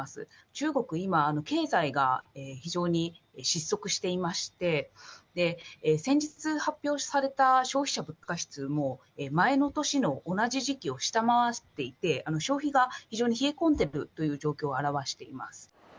中国、今、経済が非常に失速していまして、先日発表された消費者物価指数も、前の年の同じ時期を下回っていて、消費が非常に冷え込んでるという状況を表しています。